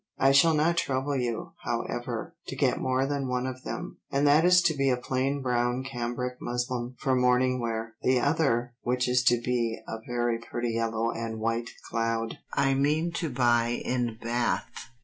I shall not trouble you, however, to get more than one of them, and that is to be a plain brown cambric muslin, for morning wear; the other, which is to be a very pretty yellow and white cloud, I mean to buy in Bath.